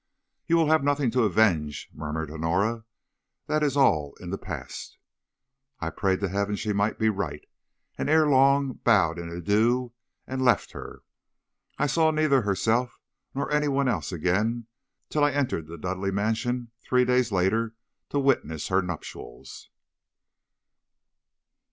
"'You will have nothing to avenge,' murmured Honora; 'that is all in the past.' "I prayed to Heaven she might be right, and ere long bowed in adieu and left her. I saw neither herself nor any one else again till I entered the Dudleigh mansion three days later to witness her nuptials."